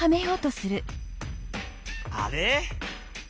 あれ？